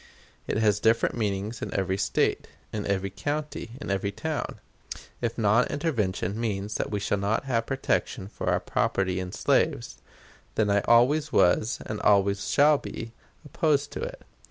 It has different meanings in every State, in every county, in every town. If non intervention means that we shall not have protection for our property in slaves, then I always was, and always shall be, opposed to it.